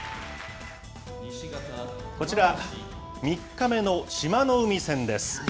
こちら、３日目の志摩ノ海戦です。